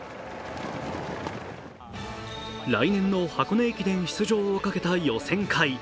来年の箱根駅伝出場をかけた予選会。